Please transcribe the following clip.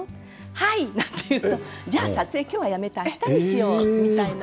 はい、なんて言うとでは撮影は今日はやめてあしたにしよう、みたいな。